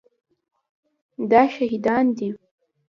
دا شهیدان دي